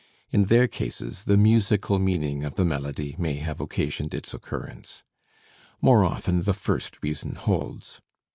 In their cases the musical meaning of the melody may have occasioned its occurrence. More often the first reason holds.